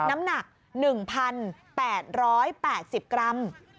น้ำหนัก๑๘๘๐กรัม